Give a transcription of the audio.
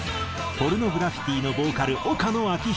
ポルノグラフィティのボーカル岡野昭仁。